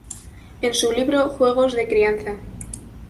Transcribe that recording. En su libro "Juegos de crianza.